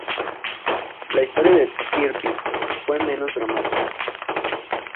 La historia del "Tirpitz" fue menos dramática.